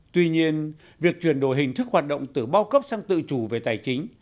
tuy nhiên việc chuyển đổi hình thức hoạt động từ bao cấp sang tự chủ về tài chính